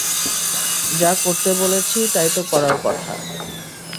যা করতে বলেছি, তাই তো করার কথা।